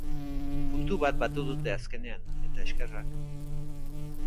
Puntu bat batu dute azkenean, eta eskerrak.